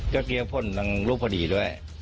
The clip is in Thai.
จะเคลียร์พลทั้งรูปพอดีด้วย